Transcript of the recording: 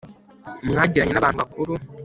mwagiranye na bantu bakuru